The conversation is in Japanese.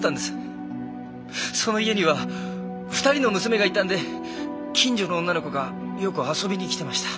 その家には２人の娘がいたんで近所の女の子がよく遊びに来てました。